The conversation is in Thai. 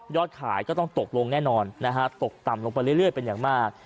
ขายก็ต้องตกลงแน่นอนนะฮะตกต่ำลงไปเรื่อยเป็นอย่างมาก